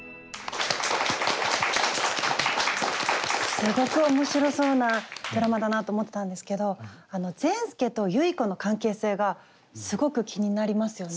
すごく面白そうなドラマだなと思ってたんですけどあの善輔と結子の関係性がすごく気になりますよね。